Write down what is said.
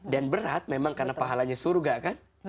dan berat karena pahalanya surga kan